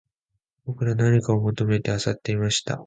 僕らは何かを求めてゴミの山を漁っていた